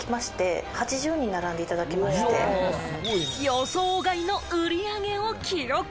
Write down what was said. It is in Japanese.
予想外の売り上げを記録！